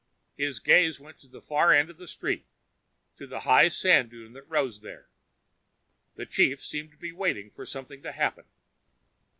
His gaze went to the far end of the street, to the high sand dune that rose there. The chief seemed to be waiting for something to happen.